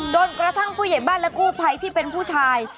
กระทั่งผู้ใหญ่บ้านและกู้ภัยที่เป็นผู้ชาย